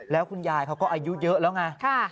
แล้วคุณยายเขาก็อายุเยอะแล้วไง